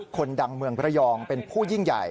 คนดังเมืองระยองเป็นผู้ยิ่งใหญ่